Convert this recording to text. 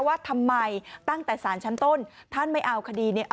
ว่าทำไมตั้งแต่สารชั้นต้นท่านไม่เอาคดีเนี่ย